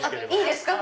いいですか